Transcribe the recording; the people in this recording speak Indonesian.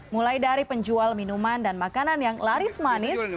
mulai dari penjual minuman dan makanan yang laris manis